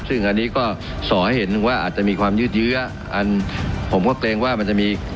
ซึ่งอันนี้ก็สอให้เห็นว่าอาจจะมีความยืดเยื้ออันผมก็เกรงว่ามันจะมี